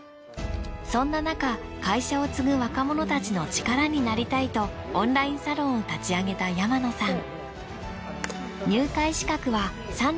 そんななか会社を継ぐ若者たちの力になりたいとオンラインサロンを立ち上げた山野さん。